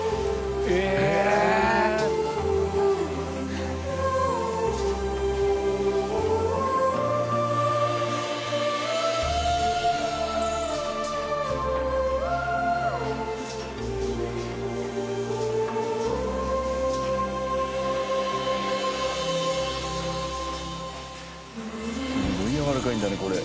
すごいやわらかいんだねこれ。